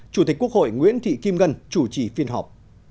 chủ tịch quốc hội nguyễn thị kim ngân chủ trì phiên họp